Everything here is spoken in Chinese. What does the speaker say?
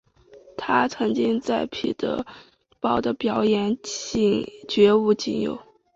她曾经在圣彼得堡的表演绝无仅有。